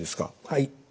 はい。